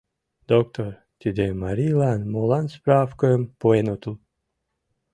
Доктор, тиде марийлан молан справкым пуэн отыл?